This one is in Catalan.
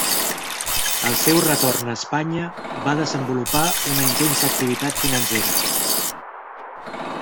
Al seu retorn a Espanya va desenvolupar una intensa activitat financera.